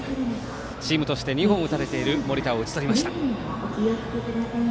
チームとして２本打たれている森田を打ち取りました。